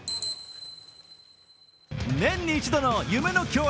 年に一度の夢の競演